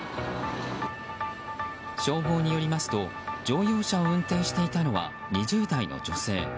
消防によりますと乗用車を運転していたのは２０代の女性。